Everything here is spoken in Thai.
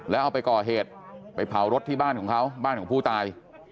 แล้วเอาไปก่อเหตุไปเผารถที่บ้านของเขาบ้านของผู้ตาย